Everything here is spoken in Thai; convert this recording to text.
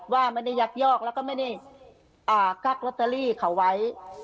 ว่าไม่ได้ยักยอกแล้วก็ไม่ได้กักลอตเตอรี่เขาไว้